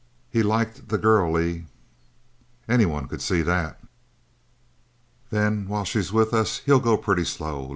"He liked the girl, Lee?" "Any one could see that." "Then while she's with us he'll go pretty slow.